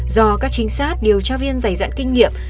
do các chính sát điều tra viên giày dạng kinh nghiệm